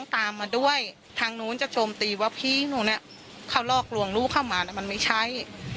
ทางนู้นจะโชมตีวะพี๊นู้นเนี่ยเขาลอกลวงลูกเข้ามามันไม่ใช้